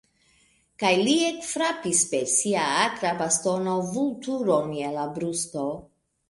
Kaj li ekfrapis per sia akra bastono Vulturon je la brusto.